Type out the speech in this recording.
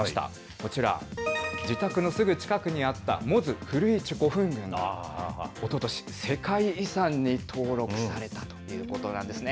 こちら、自宅のすぐ近くにあった百舌鳥・古市古墳群、おととし、世界遺産に登録されたということなんですね。